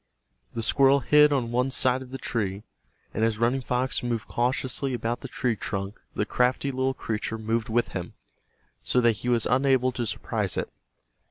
The squirrel hid on one side of the tree, and as Running Fox moved cautiously about the tree trunk the crafty little creature moved with him, so that he was unable to surprise it.